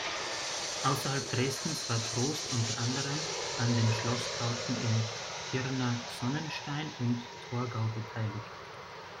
Außerhalb Dresdens war Trost unter anderem an den Schlossbauten in Pirna-Sonnenstein und Torgau beteiligt.